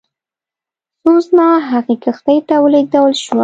سوزانا هغې کښتۍ ته ولېږدول شوه.